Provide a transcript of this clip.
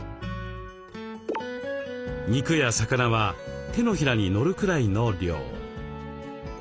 肉や魚は手のひらにのるくらいの量。